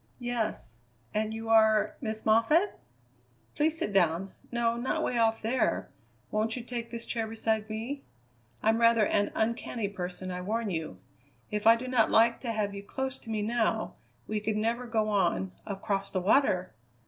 "Yes. And you are Miss Moffatt?" "Please sit down no, not way off there! Won't you take this chair beside me? I'm rather an uncanny person, I warn you. If I do not like to have you close to me now, we could never get on across the water!